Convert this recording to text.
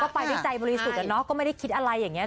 ก็ไปดิจัยบริษฐุแต่น้องก็ไม่ได้คิดอะไรอย่างเงี้ย